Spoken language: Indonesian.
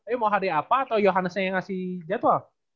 eh mau hari apa atau yohanesnya yang ngasih jadwal